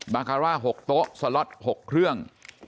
คาร่า๖โต๊ะสล็อต๖เครื่อง